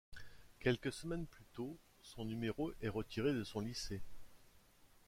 Quelques semaines plus tôt, son numéro est retiré de son lycée.